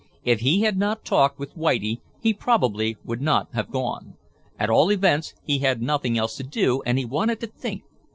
If he had not talked with Whitie he probably would not have gone. At all events, he had nothing else to do and he wanted to think.